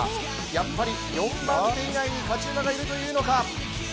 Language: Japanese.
やっぱり、４番手以内に勝ち馬がいるというのか。